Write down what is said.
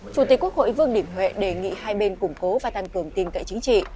chủ tịch quốc hội vương đình huệ đề nghị hai bên củng cố và tăng cường tin cậy chính trị